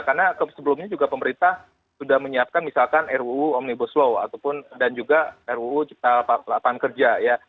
karena sebelumnya juga pemerintah sudah menyiapkan misalkan ruu omnibus law dan juga ruu cipta pelatangan kerja ya